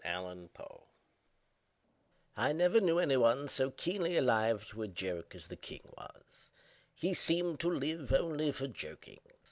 HOP FROG I never knew anyone so keenly alive to a joke as the king was. He seemed to live only for joking.